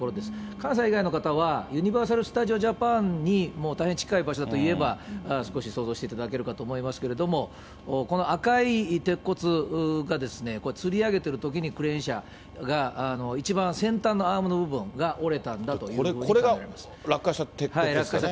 関西以外の方は、ユニバーサルジャパンスタジオに大変近い場所だといえば、少し想像していただけるかと思いますけども、この赤い鉄骨がですね、つり上げてるときにクレーン車が、一番先端のアームの部分が折れたこれが、落下した鉄骨です。